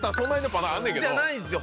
じゃないんですよ。